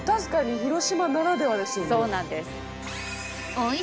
そうなんです。